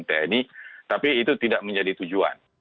tni tapi itu tidak menjadi tujuan